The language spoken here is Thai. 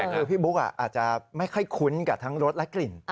คือพี่บุ๊กอาจจะไม่ค่อยคุ้นกับทั้งรสและกลิ่น